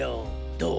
どう？